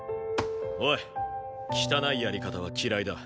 おい汚いやり方は嫌いだ。